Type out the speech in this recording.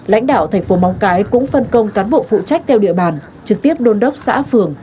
lãnh đạo thành phố móng cái cũng phân công cán bộ phụ trách theo địa bàn trực tiếp đôn đốc xã phường